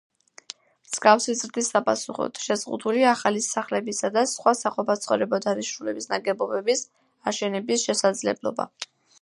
მსგავსი ზრდის საპასუხოდ, შეზღუდულია ახალი სახლებისა და სხვა საყოფაცხოვრებო დანიშნულების ნაგებობების აშენების შესაძლებლობა.